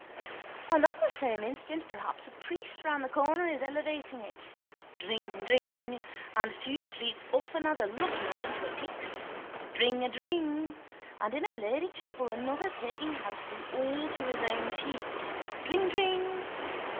And at the same instant perhaps a priest round the corner is elevating it. Dringdring! And two streets off another locking it into a pyx. Dringadring! And in a ladychapel another taking housel all to his own cheek. Dringdring!